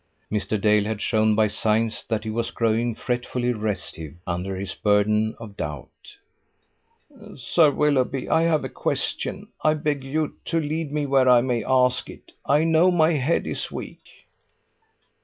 Mr. Dale had shown by signs that he was growing fretfully restive under his burden of doubt. "Sir Willoughby, I have a question. I beg you to lead me where I may ask it. I know my head is weak."